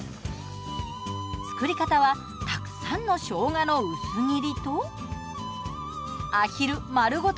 作り方はたくさんの生姜の薄切りとアヒル丸ごと